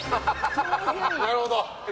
なるほど。